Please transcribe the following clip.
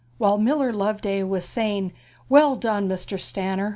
While Miller Loveday was saying 'Well done, Mr. Stanner!'